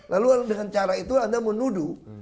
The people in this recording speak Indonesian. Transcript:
lalu dengan cara itu anda menuduh